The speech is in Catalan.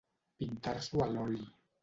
Pintar-s'ho a l'oli.